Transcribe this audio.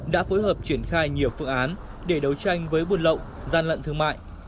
đã phối hợp triển khai nhiều phương án để đấu tranh với buôn lậu gian lận thương mại